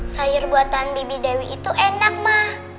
sayur buatan bibi dewi itu enak mah